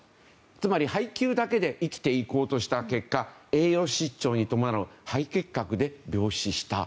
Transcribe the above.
つまり、配給だけで生きていこうとした結果栄養失調に伴う肺結核で病死した。